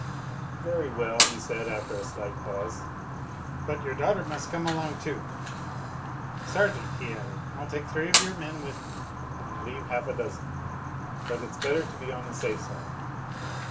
"Very well," he said after a slight pause. "But your daughter must come along too. Sergeant," he added, "I'll take three of your men with me; I have half a dozen, but it's better to be on the safe side.